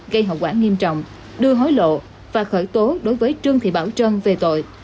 gây hậu quả nghiêm trọng đưa hối lộ và khởi tố đối với trương thị bảo trân về tội